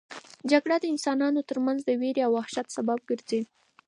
جګړه د انسانانو ترمنځ د وېرې او وحشت سبب ګرځي.